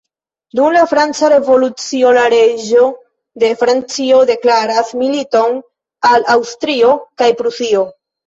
Dum la Franca Revolucio, la reĝo de Francio deklaras militon al Aŭstrio kaj Prusio.